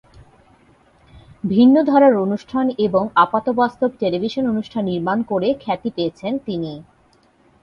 ভিন্ন ধারার অনুষ্ঠান এবং আপাতবাস্তব টেলিভিশন অনুষ্ঠান নির্মাণ করে খ্যাতি পেয়েছেন তিনি।